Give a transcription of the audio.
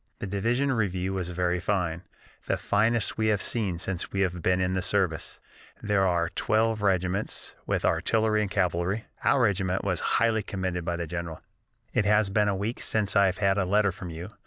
The division review was very fine, the finest we have seen since we have been in the service. There were twelve regiments, with artillery and cavalry. Our regiment was highly commended by the general. "It has been a week since I have had a letter from you.